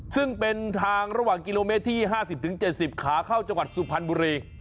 ซึ่งเป็นทางระหว่างกิโลเมตรที่๕๐๗๐ขาเข้าจังหวัดสุพรรณบุรี